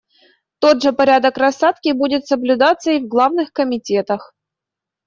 Тот же порядок рассадки будет соблюдаться и в главных комитетах.